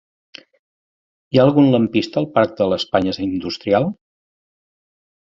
Hi ha algun lampista al parc de l'Espanya Industrial?